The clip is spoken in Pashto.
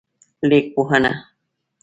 لیکپوهنه